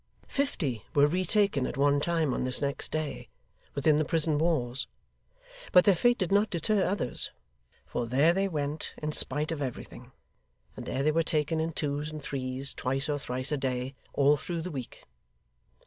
Fifty were retaken at one time on this next day, within the prison walls; but their fate did not deter others, for there they went in spite of everything, and there they were taken in twos and threes, twice or thrice a day, all through the week.